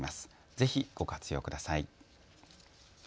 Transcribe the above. ぜひ、ご活用ください。